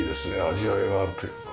味わいがあるというか。